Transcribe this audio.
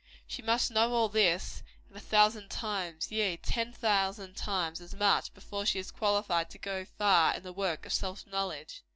She must know all this, and a thousand times, yea, ten thousand times as much, before she is qualified to go far in the work of self knowledge.